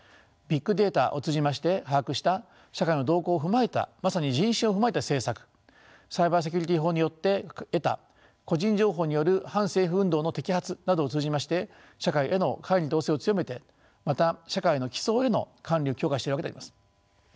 ビックデータを通じまして把握した社会の動向を踏まえたまさに人心を踏まえた政策サイバーセキュリティー法によって得た個人情報による反政府運動の摘発などを通じまして社会への管理統制を強めてまた社会の基層への管理を強化してるわけであります。